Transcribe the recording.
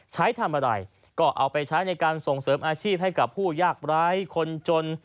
ใช้ทำอะไรก็เอาไปใช้ในการส่งเสริมอาชีพให้กับผู้ยากร้ายคนจน